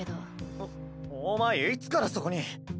おお前いつからそこに？